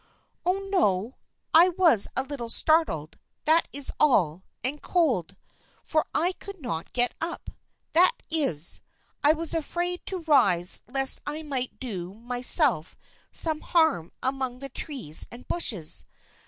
"Oh, no. I was a little startled, that is all, and cold, for I could not get up. That is, I was afraid to rise lest I might do myself some harm among the trees and bushes.